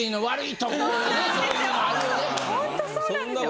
ほんとそうなんですよ。